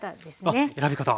あっ選び方。